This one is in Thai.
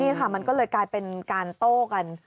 นี่ค่ะมันก็เลยกลายเป็นการโต้กัน